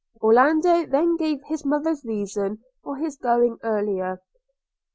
Orlando then gave his mother's reason for his going earlier.